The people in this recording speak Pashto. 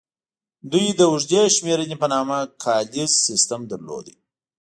دوی د اوږدې شمېرنې په نامه کالیز سیستم درلود